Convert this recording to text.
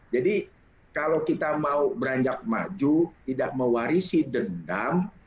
jadi kalau kita mau beranjak maju tidak mewarisi dendam